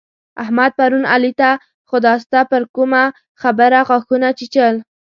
احمد پرون علي ته خداسته پر کومه خبره غاښونه چيچل.